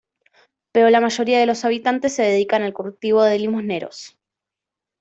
Pero la mayoría de los habitantes se dedicaron al cultivo de limoneros.